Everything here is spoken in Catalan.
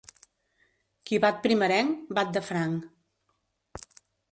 Qui bat primerenc, bat de franc.